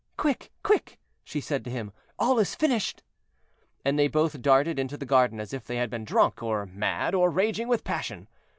"Quick! quick!" she said to him; "all is finished." And they both darted into the garden as if they had been drunk, or mad, or raging with passion.